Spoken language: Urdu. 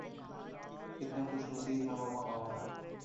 کتنے خوش نصیب ہیں وہ مقامات